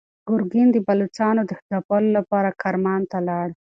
ګورګین د بلوڅانو د ځپلو لپاره کرمان ته لاړ.